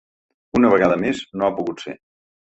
Una vegada més, no ha pogut ser.